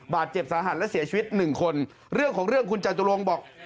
บาดเจ็บสาหัสและเสียชีวิตหนึ่งคนเรื่องของเรื่องคุณจตุรงค์บอก